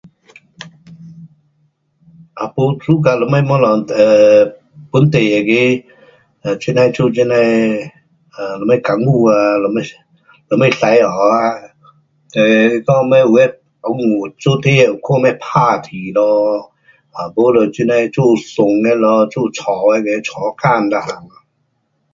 也没 suka 什么东西 um 本地的那个 um 这样做这样的 um 什么功夫啊，什么使用啊 um 我以前有的有做底的有打铁咯，要不就这那的做船的咯，做柴的柴工每样。